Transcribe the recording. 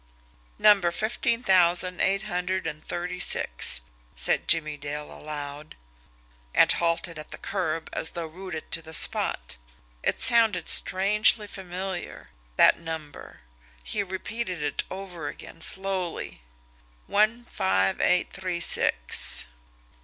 "Number fifteen thousand eight hundred and thirty six," said Jimmie Dale aloud and halted at the curb as though rooted to the spot. It sounded strangely familiar, that number! He repeated it over again slowly: "One five eight three six."